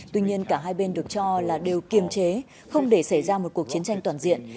tuy nhiên cả hai bên được cho là đều kiềm chế không để xảy ra một cuộc chiến tranh toàn diện